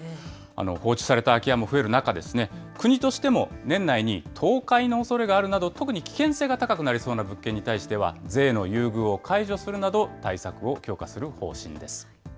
放置された空き家も増える中ですね、国としても年内に倒壊のおそれがあるなど、特に危険性が高くなりそうな物件に対しては、税の優遇を解除するなど、対策を強化する方針です。